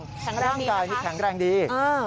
แข็งแรงดีนะครับแข็งแรงดี